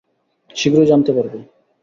শীঘ্রই জানতে পারবে।